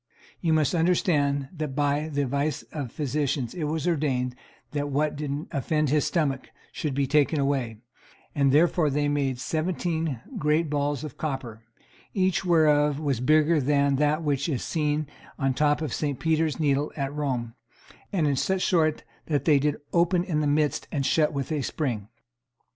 You must understand that by the advice of the physicians it was ordained that what did offend his stomach should be taken away; and therefore they made seventeen great balls of copper, each whereof was bigger than that which is to be seen on the top of St. Peter's needle at Rome, and in such sort that they did open in the midst and shut with a spring.